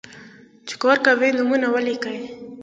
چې کار کوي، نومونه ولیکئ.